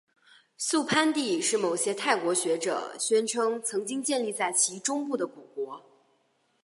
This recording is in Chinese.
素攀地是某些泰国学者宣称曾经建立在其中部的古国。